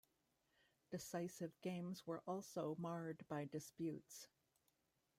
Decisive games were also marred by disputes.